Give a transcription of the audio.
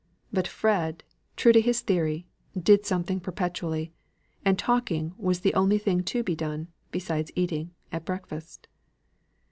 But Fred, true to his theory, did something perpetually; and talking was the only thing to be done, besides eating, at breakfast.